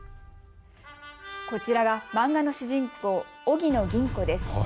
こちらが漫画の主人公、荻野吟子です。